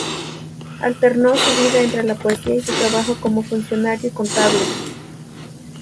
Alternó su vida entre la poesía y su trabajo como funcionario y contable.